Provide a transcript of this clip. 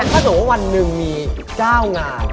ถ้าสมมุติว่าวันหนึ่งมี๙งาน